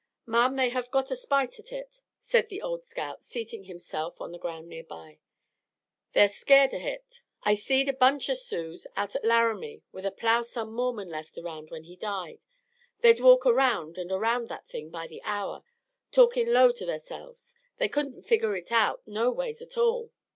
"Ma'am, they have got a spite at hit," said the old scout, seating himself on the ground near by. "They're scared o' hit. I've seed a bunch o' Sioux out at Laramie with a plow some Mormon left around when he died. They'd walk around and around that thing by the hour, talkin' low to theirselves. They couldn't figger hit out no ways a tall.